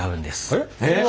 えっ？